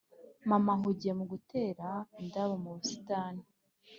mama ahugiye mu gutera indabyo mu busitani.